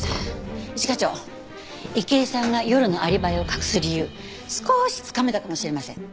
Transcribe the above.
一課長池井さんが夜のアリバイを隠す理由少しつかめたかもしれません。